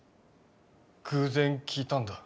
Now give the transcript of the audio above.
偶然聞いたんだ。